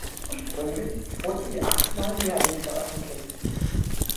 Ursprünglich wurde sie achtmal jährlich veröffentlicht.